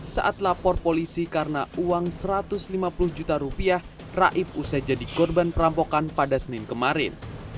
saat lapor polisi karena uang satu ratus lima puluh juta rupiah raib usai jadi korban perampokan pada senin kemarin